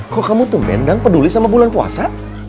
kok kamu tumben dang peduli sama bulan puasa